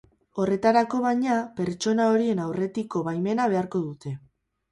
Horretarako, baina, pertsona horien aurretiko baimena beharko dute.